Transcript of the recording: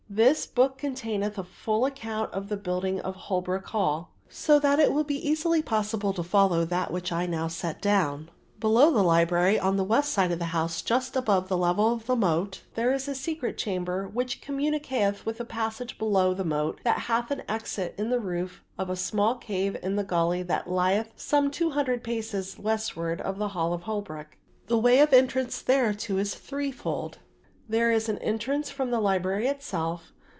This book containeth a full account of the building of Holwick Hall; so that it will be easily possible to follow that which I now set down. Below the Library on the west side of the house just above the level of the moat, there is a secret chamber, which communicateth with a passage below the moat that hath an exit in the roof of the small cave in the gully that lieth some two hundred paces westward of the Hall of Holwick. The way of entrance thereto is threefold. There is an entrance from the library itself.